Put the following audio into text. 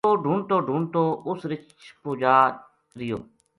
یو ہ ڈھونڈتو ڈھونڈتو اُس رچھ پو جا رہیو